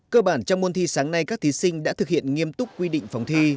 cơ bản trong môn thi sáng nay các thí sinh đã thực hiện nghiêm túc quy định phòng thi